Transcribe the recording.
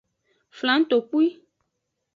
Flangtokpui.